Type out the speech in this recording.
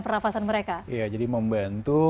pernafasan mereka iya jadi membantu